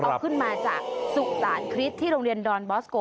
เอาขึ้นมาจากสุสานคริสต์ที่โรงเรียนดอนบอสโก